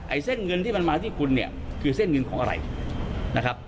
เส้นเงินที่มันมาที่คุณเนี่ยคือเส้นเงินของอะไรนะครับ